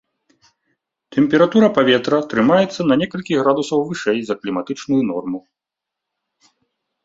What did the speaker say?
Тэмпература паветра трымаецца на некалькі градусаў вышэй за кліматычную норму.